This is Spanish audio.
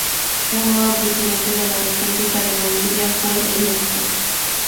Un nuevo presidente de la República de Bolivia fue electo.